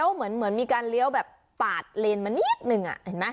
เหมือนมีการเลี้ยวแบบปาดเลนมานิดนึงเห็นไหม